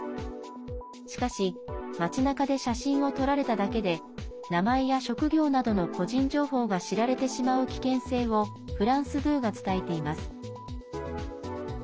しかし、街なかで写真を撮られただけで名前や職業などの個人情報が知られてしまう危険性をフランス２が伝えています。